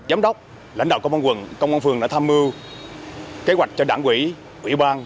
giám đốc lãnh đạo công an quận công an phường đã tham mưu kế hoạch cho đảng quỹ quỹ ban